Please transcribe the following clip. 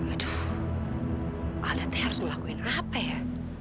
aduh alethe harus ngelakuin apa ya